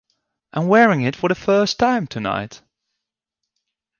I'm wearing it for the first time to-night.